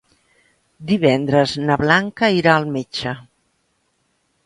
Divendres na Blanca irà al metge.